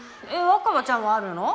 若葉ちゃんはあるの？